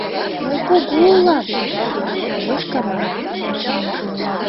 Мый кугу улам, — Лёшка мане.